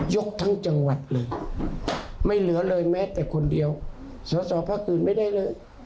ทั้งจังหวัดเลยไม่เหลือเลยแม้แต่คนเดียวสอสอพักอื่นไม่ได้เลย